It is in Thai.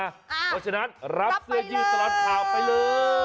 อ่ารับไปเลยรับเสื้อยืดตลอดข่าวไปเลย